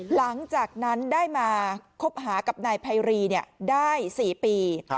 หลังจากนั้นได้มาคบหากับนายไพรีได้๔ปี